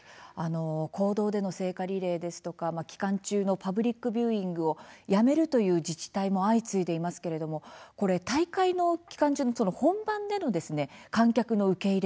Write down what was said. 公道での聖火リレーや期間中のパブリックビューイングをやめるという自治体も相次いでいますけれども大会の期間中、本番での観客の受け入れ